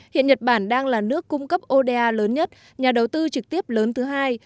hiện nhật bản đang là nước cung cấp oda lớn nhất nhà đầu tư trực tiếp lớn thứ hai